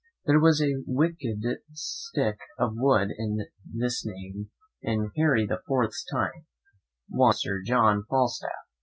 There was a wicked stick of wood of this name in Harry the Fourth's time, one Sir John Falstaff.